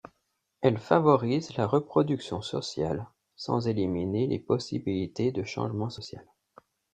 Elle favorise la reproduction sociale sans éliminer les possibilités de changement social.